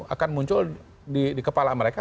akan muncul di kepala mereka